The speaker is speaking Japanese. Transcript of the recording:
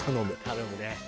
頼むね。